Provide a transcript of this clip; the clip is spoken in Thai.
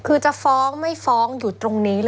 คือจะฟ้องไม่ฟ้องอยู่ตรงนี้เลย